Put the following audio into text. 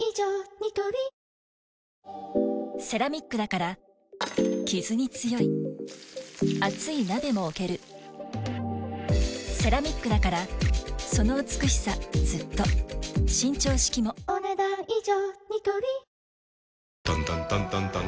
ニトリセラミックだからキズに強い熱い鍋も置けるセラミックだからその美しさずっと伸長式もお、ねだん以上。